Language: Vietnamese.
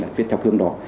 là viết theo cương đó